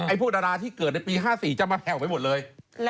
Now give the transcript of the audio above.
พวกดาราที่เกิดในปี๕๔จะมาแผ่วไปหมดเลย